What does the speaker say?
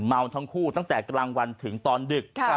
เมาทั้งคู่ตั้งแต่กลางวันถึงตอนดึก